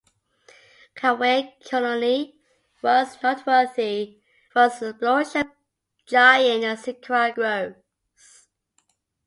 Kaweah Colony was noteworthy for its exploration of giant sequoia groves.